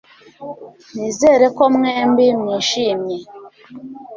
Nizere ko mwembi mwishimye